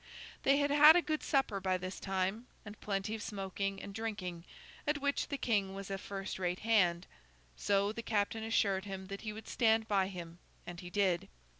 They had had a good supper by this time, and plenty of smoking and drinking, at which the King was a first rate hand; so, the captain assured him that he would stand by him, and he did.